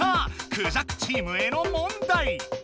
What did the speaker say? クジャクチームへの問題。